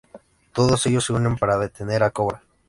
Todos ellos se unen para detener a Kobra.